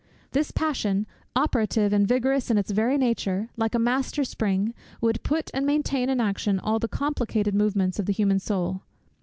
This passion, operative and vigorous in its very nature, like a master spring, would put and maintain in action all the complicated movements of the human soul.